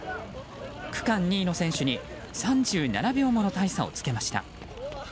区間２位の選手に３７秒もの大差をつけました。